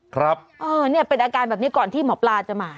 ครับเออเนี่ยเป็นอาการแบบนี้ก่อนที่หมอปลาจะมา